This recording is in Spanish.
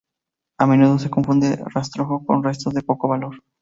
A menudo se confunde rastrojo con restos de poco valor.